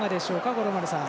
五郎丸さん。